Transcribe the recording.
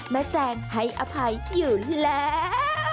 แจงให้อภัยอยู่แล้ว